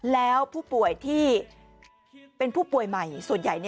แล้วผู้ป่วยที่เป็นผู้ป่วยใหม่ส่วนใหญ่